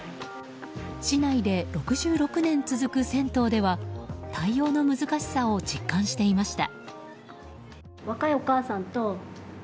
市内で６６年続く銭湯では対応の難しさを実感していました。